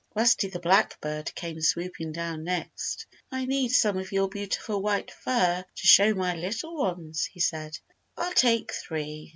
Rusty the Blackbird came swooping down next. "I need some of your beautiful white fur to show my little ones," he said. "I'll take three."